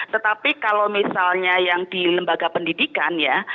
tetapi kalau misalnya yang di lembaga pendidikan ya